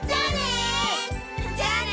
じゃあね！